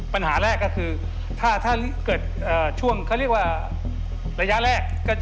ปัญหาแรกก็คือถ้าเกิดช่วงเขาเรียกว่าระยะแรก